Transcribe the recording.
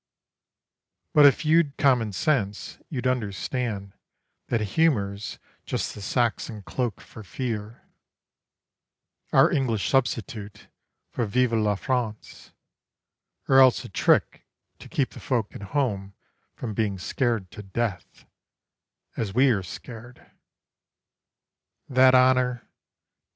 But if you'd commonsense, you'd understand That humour's just the Saxon cloak for fear, Our English substitute for "Vive la France," Or else a trick to keep the folk at home From being scared to death as we are scared; That honour